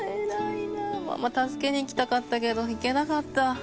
ママ助けに行きたかったけど行けなかった。